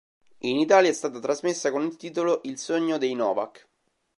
In Italia è stata trasmessa con il titolo "Il sogno dei Novak".